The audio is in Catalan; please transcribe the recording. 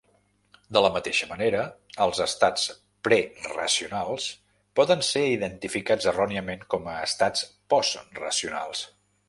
De la mateixa manera, els estats preracionals poden ser identificats erròniament com a estats postracionals.